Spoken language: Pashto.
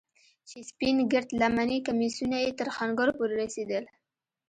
چې سپين گرد لمني کميسونه يې تر ښنگرو پورې رسېدل.